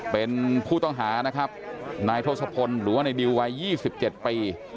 เป็นผู้ต้องหานายโทษภพรรณหรือว่าในดิลวัย๒๗ปี